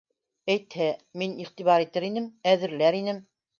Әйтһә, мин... иғтибар итер инем, әҙерләр инем!